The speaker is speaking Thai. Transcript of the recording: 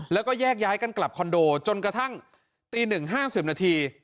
แล้วก็แยกย้ายกันกลับคอนโดจนกระทั่งตี๑๕๐นาที